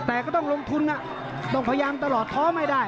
แต่ก็ต้องลงทุนต้องพยายามตลอดท้อไม่ได้